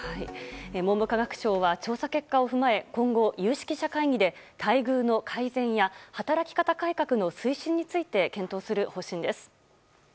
文部科学省は調査結果を踏まえ今後、有識者会議で待遇の改善や働き方改革の推進について検討する方針です。